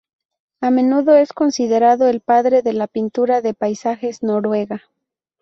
A menudo es considerado "el padre de la pintura de paisajes noruega".